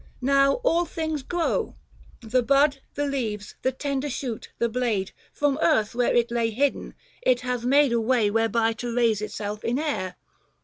Now all things grow — The bud, the leaves, the tender shoot, the blade From earth where it lav hidden, it hath made A way whereby to raise itself in air.